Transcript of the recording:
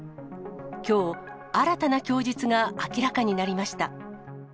きょう、新たな供述が明らかになりました。